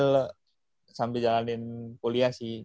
enggak lah gue sambil jalanin kuliah sih